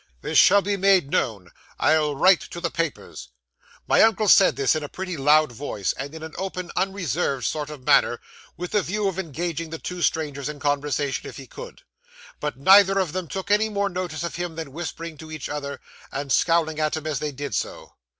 This shall be made known. I'll write to the papers." 'My uncle said this in a pretty loud voice, and in an open, unreserved sort of manner, with the view of engaging the two strangers in conversation if he could. But, neither of them took any more notice of him than whispering to each other, and scowling at him as they did so.